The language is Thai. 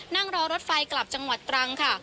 นั่งรอรถไฟกลับจังหวัดตรังค่ะ